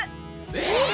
えっ！？